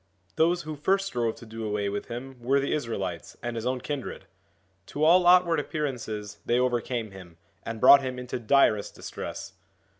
Those who first strove to do away with him were the Israelites and his own kindred. To all outward appearances they overcame him, and brought him into direst distress.